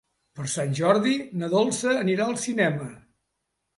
Per Sant Jordi na Dolça anirà al cinema.